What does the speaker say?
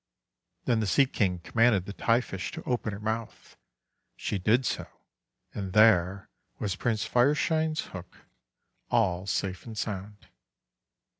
Then the Sea King commanded the Tai Fish to open her mouth. She did so, and there was Prince Fireshine's hook all safe and sound.